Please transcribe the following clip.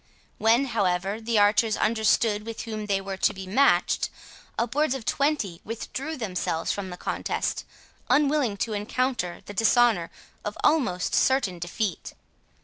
When, however, the archers understood with whom they were to be matched, upwards of twenty withdrew themselves from the contest, unwilling to encounter the dishonour of almost certain defeat.